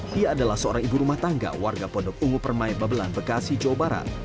dia adalah seorang ibu rumah tangga warga pondok ungu permai babelan bekasi jawa barat